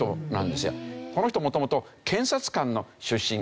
この人元々検察官の出身。